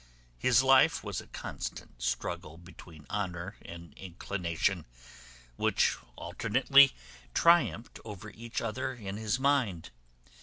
His life was a constant struggle between honour and inclination, which alternately triumphed over each other in his mind.